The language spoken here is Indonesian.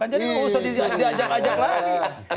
jadi usut diajak ajak lagi